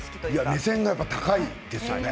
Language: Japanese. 目線が高いですよね。